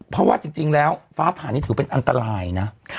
เพราะว่าจริงแล้วฟ้าผ่านี่ถือเป็นอันตรายนะ